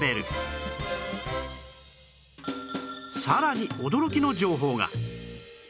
さらに驚きの情報が